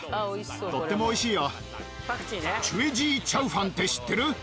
とっても美味しいよ。